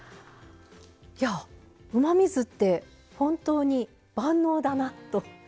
いやあうまみ酢って本当に万能だなと。